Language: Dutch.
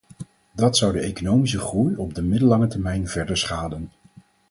Dat zou de economische groei op de middellange termijn verder schaden.